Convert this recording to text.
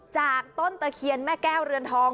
จากต้นตะเคียนแม่แก้วเรือนทอง